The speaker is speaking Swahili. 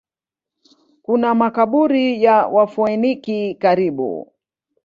Kuna makaburi ya Wafoeniki karibu.